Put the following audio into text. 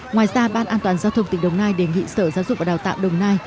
ngoài ra ban an toàn giao thông tỉnh đồng nai đề nghị sở giáo dục và đào tạo đồng nai